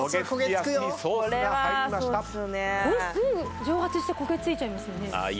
すぐ蒸発して焦げ付いちゃいますよね？